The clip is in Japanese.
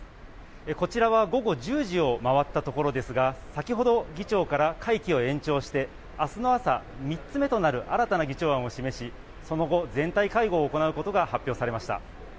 こちらは午後１０時を回ったところですが、先ほど、議長から会期を延長して、あすの朝、３つ目となる新たな議長案を示し、その後、全体会合を行うことが発表されました。